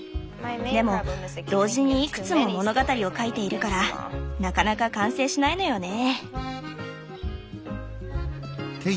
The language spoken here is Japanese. でも同時にいくつも物語を書いているからなかなか完成しないのよね。